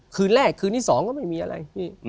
คืนแรกคืนที่๒ก็ไม่มีอะไร